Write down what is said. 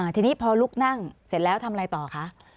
ทีนี้พอลุกนั่งเสร็จแล้วทำอะไรต่อคะ